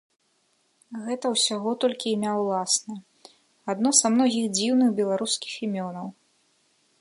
Гэта ўсяго толькі імя ўласнае, адно са многіх дзіўных беларускіх імёнаў.